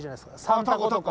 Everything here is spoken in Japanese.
３タコとか。